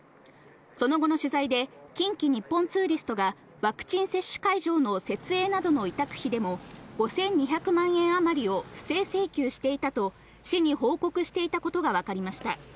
その後の取材で近畿日本ツーリストがワクチン接種会場の設営などの委託費でも５２００万円あまりを不正請求していたと、市に報告していたことがわかりました。